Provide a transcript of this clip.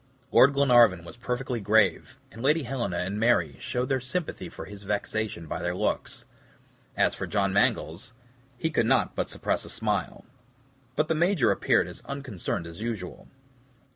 Lord Glenarvan was perfectly grave, and Lady Helena and Mary showed their sympathy for his vexation by their looks. As for John Mangles, he could not suppress a smile; but the Major appeared as unconcerned as usual.